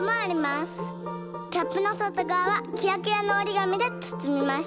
キャップのそとがわはキラキラのおりがみでつつみました。